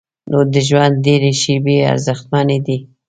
نو د ژوند ډېرې شیبې ارزښتمنې دي.